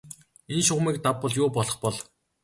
Энэ шугамыг давбал юу болох бол?